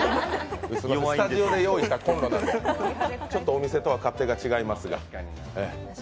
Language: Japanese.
所詮スタジオで用意したコンロなんでちょっとお店とは勝手が違いますが。